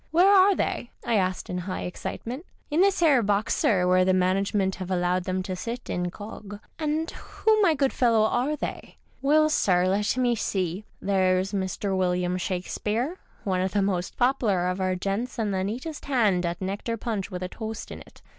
" Where are they ?" I asked in high excitement. " In this 'ere box, sir, where the management have allowed them to sit incog." " And who, my good fellow, are they ?"" Well, 12 MR. SHAKESPEARE DISORDERLY sir, let mc see ; thcres Mr. William Shakespeare, one of the most pop'Iar of our gents and the neatest hand at nectar puncli with a toast in it.